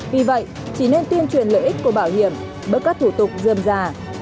vì vậy chỉ nên tuyên truyền lợi ích của bảo hiểm bất cắt thủ tục dơm dà